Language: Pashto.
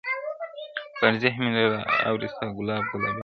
پر ذهن مي را اوري ستا ګلاب ګلاب یادونه.